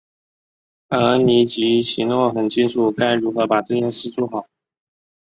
而吉亚奇诺很清楚该如何把这件事做好。